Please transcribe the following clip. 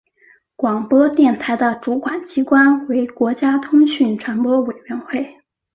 广播电台的主管机关为国家通讯传播委员会。